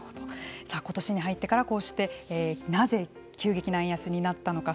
ことしに入ってからこうしてなぜ急激な円安になったのか。